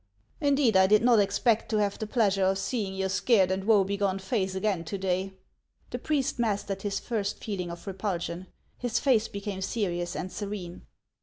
Indeed, I did not expect to have the pleasure of seeing your scared and woebegone face again to day." The priest mastered his first feeling of repulsion. His face became serious and serene.